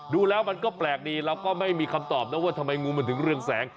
ดูแล้วมันก็แปลกดีเราก็ไม่มีคำตอบนะว่าทำไมงูมันถึงเรื่องแสง